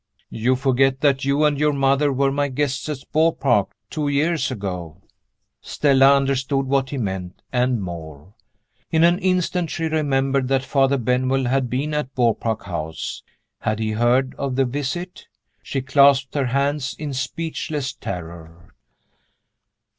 "You forget that you and your mother were my guests at Beaupark, two years ago " Stella understood what he meant and more. In an instant she remembered that Father Benwell had been at Beaupark House. Had he heard of the visit? She clasped her hands in speechless terror.